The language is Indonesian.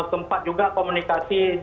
dan sempat juga komunikasi di wilayah myanmar